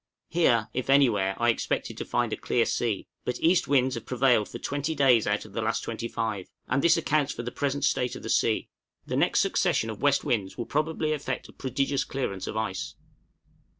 Here, if anywhere, I expected to find a clear sea, but east winds have prevailed for twenty days out of the last twenty five, and this accounts for the present state of the sea; the next succession of west winds will probably effect a prodigious clearance of ice.